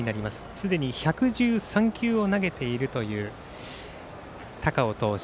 すでに１１３球を投げているという高尾投手。